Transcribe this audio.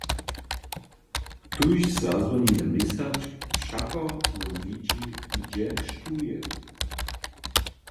Tuž zazwoni na měsačk, wšako wón widźi, hdźe štó je.